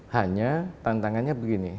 hanya tantangannya begini